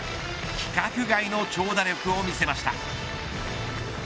規格外の長打力を見せました。